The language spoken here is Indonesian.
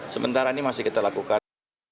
sementara ini masih kita lakukan